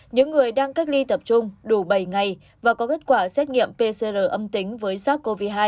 những người đang cách ly tập trung đủ bảy ngày và có kết quả xét nghiệm pcr âm tính với sars cov hai